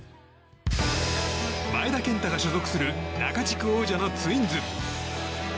前田健太が所属する中地区王者のツインズ。